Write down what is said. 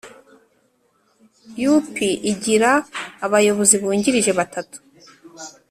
U P igira abayobozi bungirije batatu